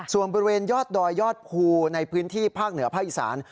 ส่วนบริเวณยอดดอยยอดภูในพื้นที่ภาคเหนือภาคอีสาน